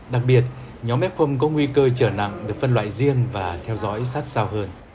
đặc biệt nhóm f có nguy cơ trở nặng được phân loại riêng và theo dõi sát sao hơn